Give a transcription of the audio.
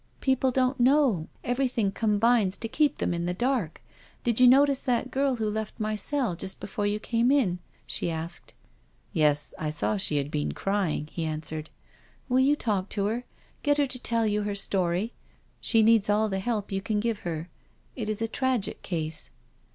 " People don't know— everything combines to keep them in the dark. Did you notice the girl who left my cell just before you caifle in?" she asked. " Yes — I saw she had been crying," he answered. " Will you talk to her— get her to tell you her story? She needs all the help you can give her. It is a tragic case.'